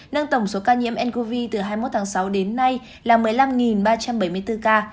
nâng tổng số ca nhiễm ncov từ hai mươi một tháng sáu đến nay là một mươi năm ba trăm bảy mươi bốn ca